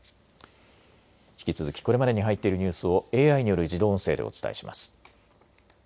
引き続き、これまでに入っているニュースをＡＩによる自動音声でお伝えします。